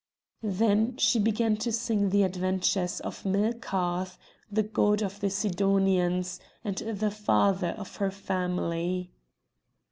Then she began to sing the adventures of Melkarth, the god of the Sidonians, and the father of her family.